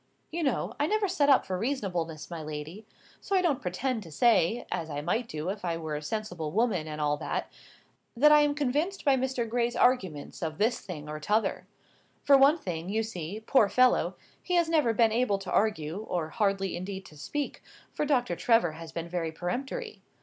"You know, I never set up for reasonableness, my lady. So I don't pretend to say, as I might do if I were a sensible woman and all that,—that I am convinced by Mr. Gray's arguments of this thing or t'other. For one thing, you see, poor fellow! he has never been able to argue, or hardly indeed to speak, for Doctor Trevor has been very peremptory.